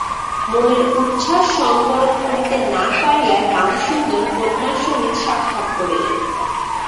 মনের উচ্ছ্বাস সংবরণ করিতে না পারিয়া রামসুন্দর কন্যার সহিত সাক্ষাৎ করিলেন।